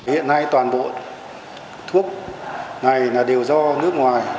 hiện nay toàn bộ thuốc này đều do nước ngoài